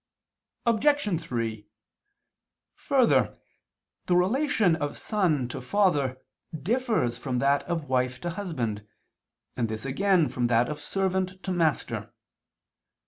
Obj. 3: Further, the relation of son to father differs from that of wife to husband, and this again from that of servant to master.